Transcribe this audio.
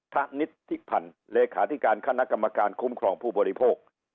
นิทธิพันธ์เลขาธิการคณะกรรมการคุ้มครองผู้บริโภค